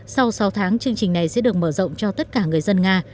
sau sáu tháng chương trình này sẽ được mở rộng cho tất cả người dân nga